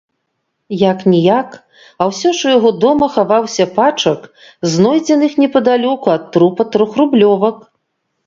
Як-ніяк, а ўсё ж у яго дома хаваўся пачак знойдзеных непадалёку ад трупа трохрублёвак.